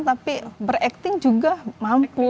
tapi ber acting juga mampu